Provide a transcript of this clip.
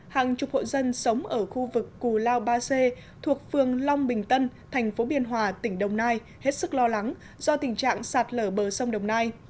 hàng chục hộ dân sống ở khu vực cù lao ba c thuộc phường long bình tân thành phố biên hòa tỉnh đồng nai hết sức lo lắng do tình trạng sạt lở bờ sông đồng nai